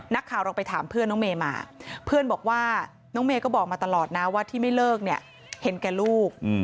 นักข่าวเราไปถามเพื่อนน้องเมย์มาเพื่อนบอกว่าน้องเมย์ก็บอกมาตลอดนะว่าที่ไม่เลิกเนี่ยเห็นแก่ลูก